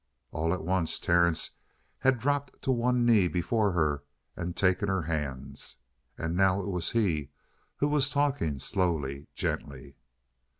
All at once Terence had dropped to one knee before her and taken her hands. And now it was he who was talking slowly, gently.